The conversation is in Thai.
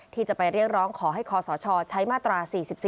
ที่จะเรียกร้องขอให้ขศชจะมาตรา๔๔